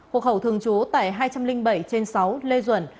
hộ khẩu thường trú tại hai trăm linh bảy trên sáu lê duẩn